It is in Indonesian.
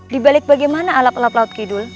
dibalik bagaimana ala pelaut pelaut kidul